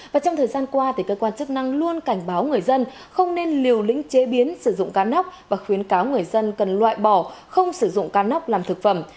và trong thời gian qua cơ quan chức năng luôn cảnh báo người dân không nên liều lĩnh chế biến sử dụng cá nóc và khuyến cáo người dân cần loại bỏ không sử dụng cá nóc làm thực phẩm